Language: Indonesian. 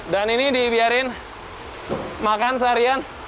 dan ini dibiarin makan seharian